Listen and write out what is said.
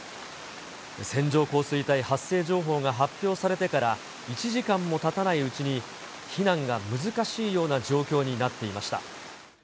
線状降水帯発生情報が発表されてから、１時間もたたないうちに、避難が難しいような状況になっていました。